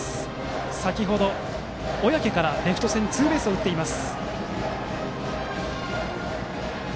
先程、小宅からレフト線ツーベースを打っています。